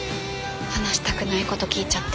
話したくないこと聞いちゃって。